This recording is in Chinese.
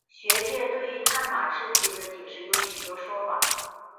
学界对于探马赤军的解释有许多说法。